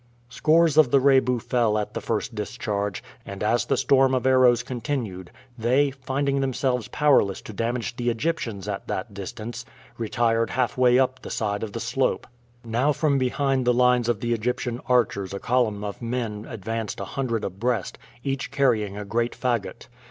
Scores of the Rebu fell at the first discharge, and as the storm of arrows continued, they, finding themselves powerless to damage the Egyptians at that distance, retired halfway up the side of the slope. Now from behind the lines of the Egyptian archers a column of men advanced a hundred abreast, each carrying a great fagot.